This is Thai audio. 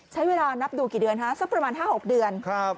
ใช้เวลานับดูกี่เดือนฮะสักประมาณ๕๖เดือน